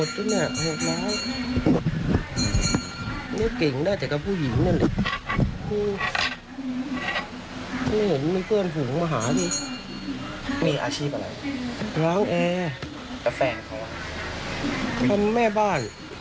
ทะเลาะกันช่วงเย็นช่วงเช้า